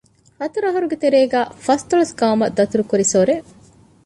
ހަތަރު އަަހަރުގެ ތެރޭގައި ފަސްދޮޅަސް ގައުމަށް ދަތުރު ކުރި ސޮރެއް